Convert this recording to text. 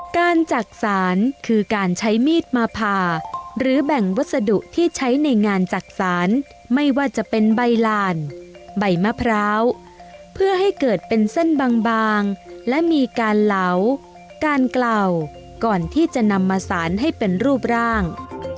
จักษานคือการใช้มีดมาผ่าหรือแบ่งวัสดุที่ใช้ในงานจักษานไม่ว่าจะเป็นใบลานใบมะพร้าวเพื่อให้เกิดเป็นเส้นบางและมีการเหลาการกล่าวก่อนที่จะนำมาสารให้เป็นรูปร่าง